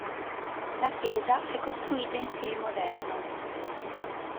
La chiesa è costruita in stile moderno.